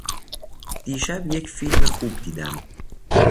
دیشب یک فیلم خوب دیدم.